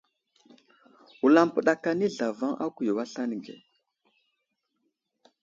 Wulampəɗak anay zlavaŋ a kuyo aslane ge.